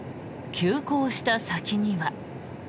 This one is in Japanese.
急行した先には。